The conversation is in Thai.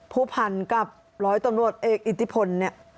ผู้พันกับร้อยตำรวจเอกอิทธิพลเนี่ย